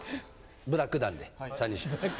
ブラック団で三人衆。